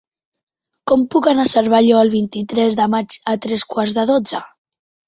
Com puc anar a Cervelló el vint-i-tres de maig a tres quarts de dotze?